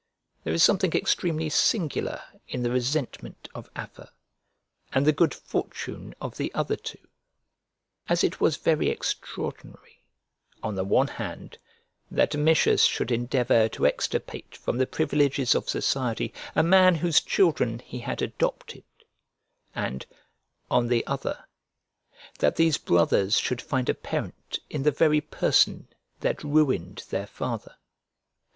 There is something extremely singular in the resentment of Afer, and the good fortune of the other two; as it was very extraordinary, on the one hand, that Domitius should endeavour to extirpate from the privileges of society a man whose children he had adopted, and, on the other, that these brothers should find a parent in the very person that ruined their father.